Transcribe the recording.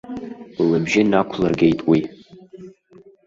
Лыбжьы нақәлыргеит уи.